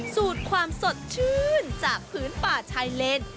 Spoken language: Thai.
สูตรความสดชื่นจากพื้นป่าชายเลน